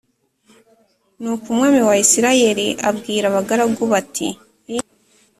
Nuko umwami wa Isirayeli abwira abagaragu be ati i